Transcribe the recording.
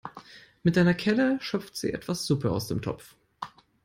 Mit einer Kelle schöpft sie etwas Suppe aus dem Topf.